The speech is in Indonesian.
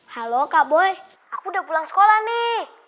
halo kak boy aku udah pulang sekolah nih